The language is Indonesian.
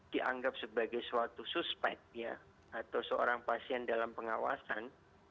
dianggap sebagai suatu suspek atau seorang pasien dalam pengawasan